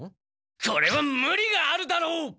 これはムリがあるだろう！